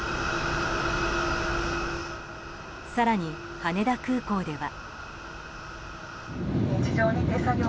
更に羽田空港では。